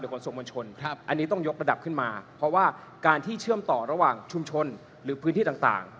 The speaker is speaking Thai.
ขนส่งมวลชนอันนี้ต้องยกระดับขึ้นมาเพราะว่าการที่เชื่อมต่อระหว่างชุมชนหรือพื้นที่ต่าง